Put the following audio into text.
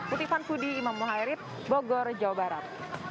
putri vanfudy imam mohairid bogor jawa barat